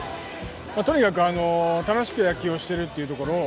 とにかく楽しく野球をしてるというところを